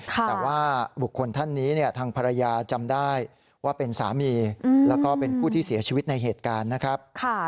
แต่ว่าบุคคลท่านนี้ทางภรรยาจำได้ว่าเป็นสามีแล้วก็เป็นผู้ที่เสียชีวิตในเหตุการณ์นะครับ